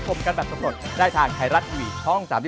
โปรดติดตามติดตาม